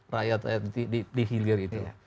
rakyat rakyat di hilir itu